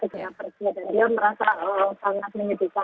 dan dia merasa sangat menyedihkan sekali